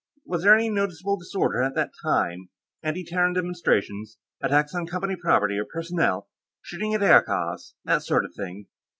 Was there any noticeable disorder at that time? Anti Terran demonstrations, attacks on Company property or personnel, shooting at aircars, that sort of thing?"